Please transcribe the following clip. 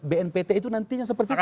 bnpt itu nantinya seperti apa